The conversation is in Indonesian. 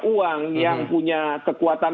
uang yang punya kekuatan